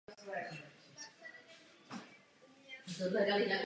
I na Státní konzervatoři navštěvovala hodiny hry na klavír a kytaru.